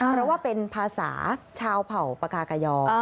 เพราะว่าเป็นภาษาชาวเผ่าปากากายอ